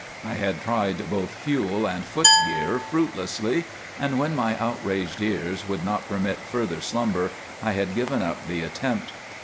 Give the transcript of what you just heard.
I had tried both fuel and footgear fruitlessly, and when my outraged ears would not permit further slumber I had given up the attempt.